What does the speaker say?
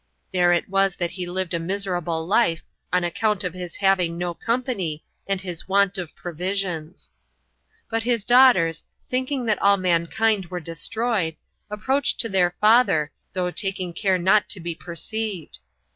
There it was that he lived a miserable life, on account of his having no company, and his want of provisions. 5. But his daughters, thinking that all mankind were destroyed, approached to their father, 24 though taking care not to be perceived.